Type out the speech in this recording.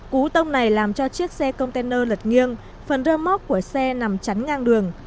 cú tông này làm cho chiếc xe container lật nghiêng phần rơ móc của xe nằm chắn ngang đường